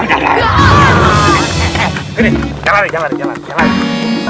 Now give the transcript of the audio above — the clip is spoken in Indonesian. gini jangan lari jangan lari jangan lari